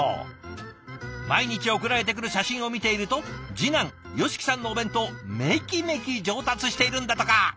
毎日送られてくる写真を見ていると次男ヨシキさんのお弁当メキメキ上達しているんだとか。